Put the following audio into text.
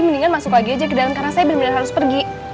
mendingan masuk lagi aja ke dalam karena saya benar benar harus pergi